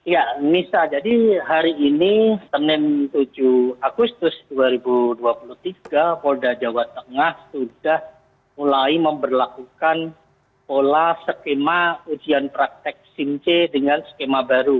ya nisa jadi hari ini senin tujuh agustus dua ribu dua puluh tiga polda jawa tengah sudah mulai memperlakukan pola skema ujian praktek simc dengan skema baru